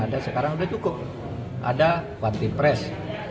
ada sekarang sudah cukup ada wati pres